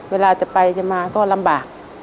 เวลาจะไปจะมาก็ลำบาก